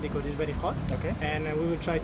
dan kita akan mencoba untuk mengembalikan